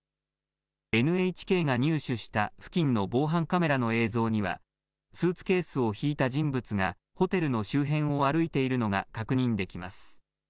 ＮＨＫが入手した付近の防犯カメラの映像には、スーツケースを引いた人物がホテルの周辺を歩いているのが確認できます。